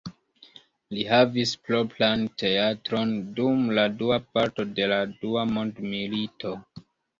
Li havis propran teatron dum la dua parto de la dua mondmilito.